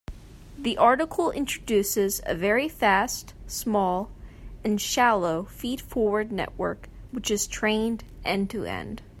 The article introduces a very fast, small, and shallow feed-forward network which is trained end-to-end.